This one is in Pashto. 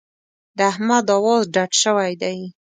د احمد اواز ډډ شوی دی.